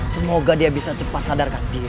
semoga dia bisa cepat sadarkan diri